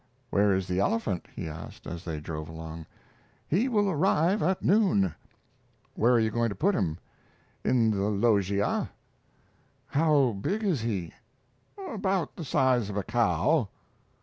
"Where is the elephant?" he asked, as they drove along. "He will arrive at noon." "Where are you going to put him?" "In the loggia." "How big is he?" "About the size of a cow."